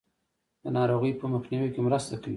د ناروغیو په مخنیوي کې مرسته کوي.